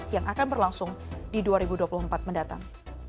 yang akan berlangsung di dua ribu dua puluh empat mendatang